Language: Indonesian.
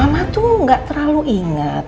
aduh mama tuh nggak terlalu inget